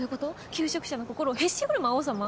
求職者の心をへし折る魔王様？